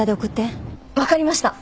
分かりました！